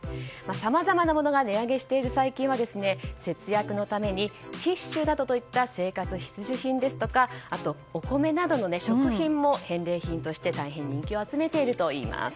さまざまなものが値上げしている最近は節約のためにティッシュなどといった生活必需品ですとかあとはお米などの食品も返礼品として大変、人気を集めているといいます。